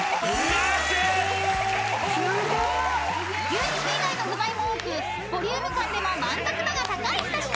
［牛肉以外の具材も多くボリューム感でも満足度が高い一品］